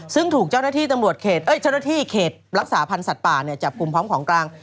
ซึ่งถูกเจ้าหน้าที่เขตรักษาพันธุ์สัตว์ป่าจับกลุ่มพร้อมของกลาง